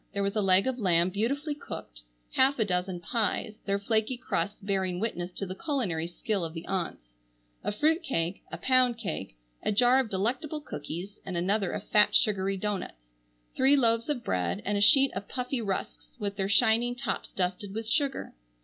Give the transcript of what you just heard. There was a leg of lamb beautifully cooked, half a dozen pies, their flaky crusts bearing witness to the culinary skill of the aunts, a fruit cake, a pound cake, a jar of delectable cookies and another of fat sugary doughnuts, three loaves of bread, and a sheet of puffy rusks with their shining tops dusted with sugar.